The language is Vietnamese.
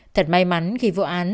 thật may mắn khi vụ án